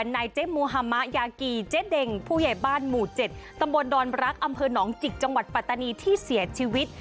นายเจ๊มูฮามะยากีเจ๊เด็งผู้ใหญ่บ้านหมู่๗ตำบลดอนรักอำเภอหนองจิกจังหวัดปัตตานีที่เสียชีวิต